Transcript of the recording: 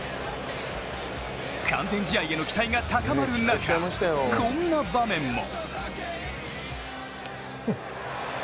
完全試合への期待が高まる中、こんな場面も。